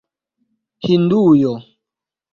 Hindujo